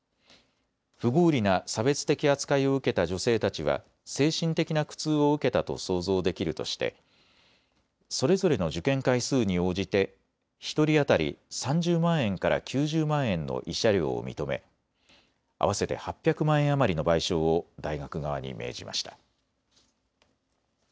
不合理な差別的扱いを受けた女性たちは精神的な苦痛を受けたと想像できるとしてそれぞれの受験回数に応じて１人当たり３０万円から９０万円の慰謝料を認め合わせて８００万円余りの賠償を大学側に命じました。